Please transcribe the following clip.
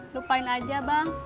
lupain aja bang